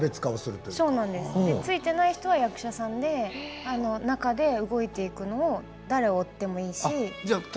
着いていない人が役者さんで中で動いていくのを誰を追っていってもいいし。